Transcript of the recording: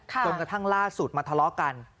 จนกระทั่งล่าสุดมาทะเลาะกัน